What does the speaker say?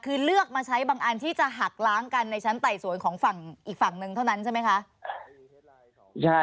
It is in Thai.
คือเลือกมาใช้บางอันที่จะหักล้างกันในชั้นไต่สวนของฝั่งอีกฝั่งหนึ่งเท่านั้นใช่ไหมคะ